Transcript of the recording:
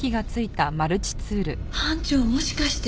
班長もしかして。